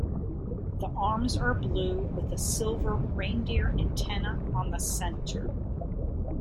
The arms are blue with a silver reindeer antler on the center.